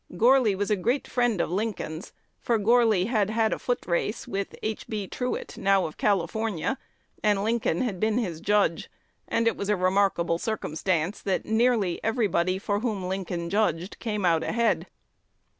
(Gourly was a great friend of Lincoln's, for Gourly had had a foot race "with H. B. Truett, now of California," and Lincoln had been his "judge;" and it was a remarkable circumstance, that nearly everybody for whom Lincoln "judged" came out ahead.)